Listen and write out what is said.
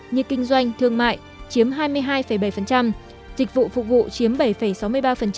như kinh doanh thương mại dịch vụ phục vụ